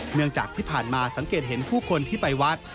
เนื่องจากที่ผ่านมาสังเกตเห็นผู้คนที่ไปวัด